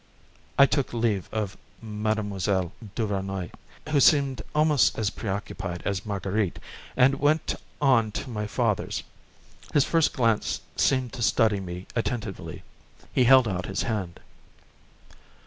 I took leave of Mme. Duvernoy, who seemed almost as preoccupied as Marguerite, and went on to my father's; his first glance seemed to study me attentively. He held out his hand.